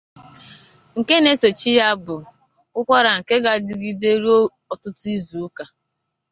Nke n'esochi ya bụ ụkwara nke ga-adịgịde ruo ọtụtụ izu ụka.